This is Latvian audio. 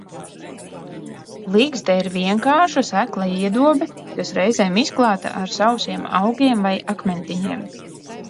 Ligzda ir vienkārša, sekla iedobe, kas reizēm izklāta ar sausiem augiem vai akmentiņiem.